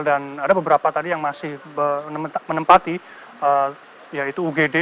dan ada beberapa tadi yang masih menempati yaitu ugd